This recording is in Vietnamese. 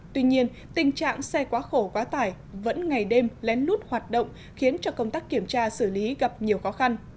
tuy nhiên tình trạng xe quá khổ quá tải vẫn ngày đêm lén lút hoạt động khiến cho công tác kiểm tra xử lý gặp nhiều khó khăn